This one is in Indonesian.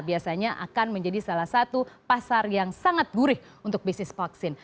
biasanya akan menjadi salah satu pasar yang sangat gurih untuk bisnis vaksin